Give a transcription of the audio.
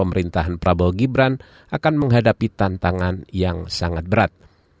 pemerintahan prabowo gibran akan menghadapi tantangan yang sangat berat